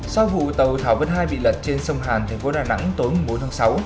sau vụ tàu thảo vân hai bị lật trên sông hàn thành phố đà nẵng tối bốn tháng sáu